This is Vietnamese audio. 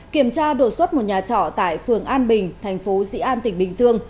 kiểm tra đột xuất một nhà trọ tại phường an bình thành phố dĩ an tỉnh bình dương